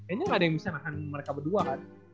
ini ga ada yang bisa nahan mereka berdua kan